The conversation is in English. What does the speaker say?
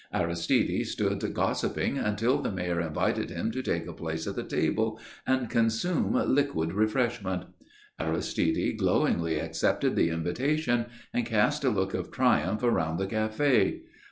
Aristide stood gossiping until the Mayor invited him to take a place at the table and consume liquid refreshment. Aristide glowingly accepted the invitation and cast a look of triumph around the café.